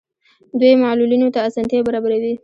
دوی معلولینو ته اسانتیاوې برابروي.